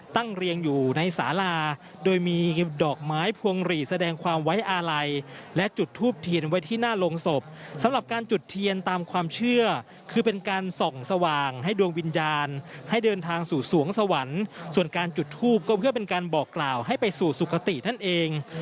เรียงอยู่ในสาลาโดยมีดอกไม้พวงหลีแสดงความไว้อาลัยและจุดทูบเทียนไว้ที่หน้าโรงศพสำหรับการจุดเทียนตามความเชื่อคือเป็นการส่องสว่างให้ดวงวิญญาณให้เดินทางสู่สวงสวรรค์ส่วนการจุดทูปก็เพื่อเป็นการบอกกล่าวให้ไปสู่สุขตินั่นเอง